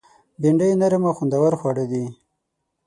بېنډۍ نرم او خوندور خواړه دي